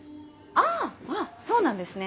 あぁそうなんですね